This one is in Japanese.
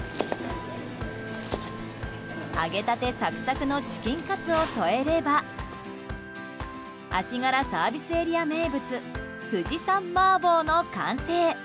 揚げたてサクサクのチキンカツを添えれば足柄ＳＡ名物富士山マーボーの完成！